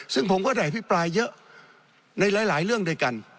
ซึ่งผมก็ได้อภิปรายเยอะในหลายเรื่องด้วยกัน